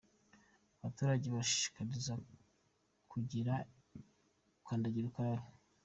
Abaturage barashishikarizwa kugira Kandagirukarabe